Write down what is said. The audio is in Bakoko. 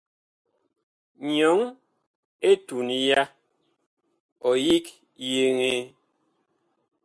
Nyɔŋ etuŋ ya, ɔ yig yeŋee.